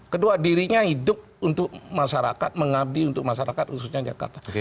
kedua dirinya hidup untuk masyarakat mengabdi untuk masyarakat khususnya jakarta